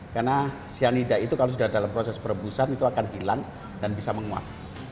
karena cyanida itu kalau sudah dalam proses perebusan itu akan hilang dan bisa menguap